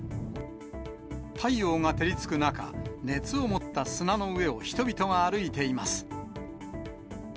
太陽が照りつく中、熱を持った砂の上を人々が歩いています。